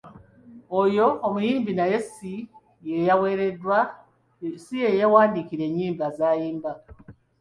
Oyo muyimbi naye si yeyeewandiikira enyimba z'ayimba.